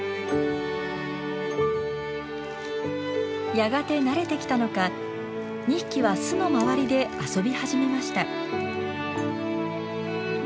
やがて慣れてきたのか２匹は巣のまわりで遊び始めました。